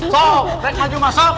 coy maju masuk